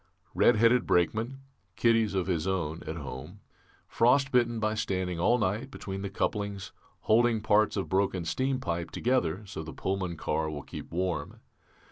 Red headed brakeman (kiddies of his own at home), frostbitten by standing all night between the couplings, holding parts of broken steampipe together so the Pullman car will keep warm.